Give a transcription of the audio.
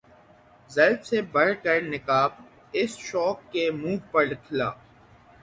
زلف سے بڑھ کر نقاب اس شوخ کے منہ پر کھلا